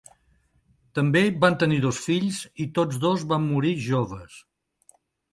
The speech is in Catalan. També van tenir dos fills i tots dos van morir joves.